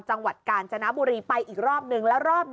จังหวัดกรรจนบุรีไปอีกรอบนึง